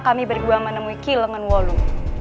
kami berdua menemui kilangan walu